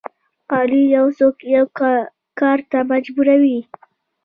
قانون یو څوک یو کار ته مجبوروي.